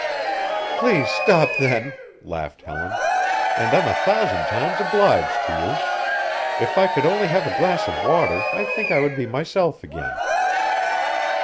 "Please stop, then," laughed Helen, "and I'm a thousand times obliged to you. If I could only have a glass of water I think I would be myself again."